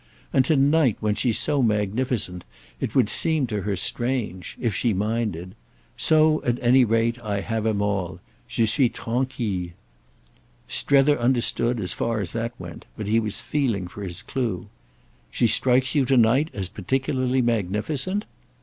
And to night, when she's so magnificent, it would seem to her strange—if she minded. So at any rate I have him all. Je suis tranquille!" Strether understood, so far as that went; but he was feeling for his clue. "She strikes you to night as particularly magnificent?"